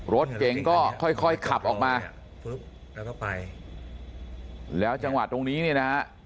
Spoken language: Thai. รถเก่งก็ค่อยขับออกมาแล้วไปแล้วจังหวะตรงนี้นะฮะ